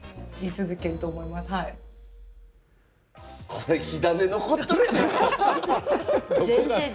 これ火種残っとるやないか。